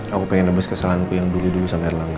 aku pengen abis kesalahanku yang dulu dulu sama erlangga